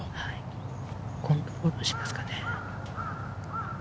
コントロールしますかね。